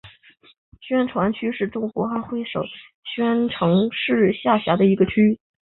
宣州区是中国安徽省宣城市下辖的一个区。